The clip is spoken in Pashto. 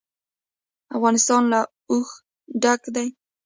افغانستان له اوښ ډک دی.